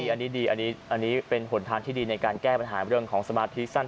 อันนี้ดีอันนี้เป็นหนทางที่ดีในการแก้ปัญหาเรื่องของสมาธิสั้น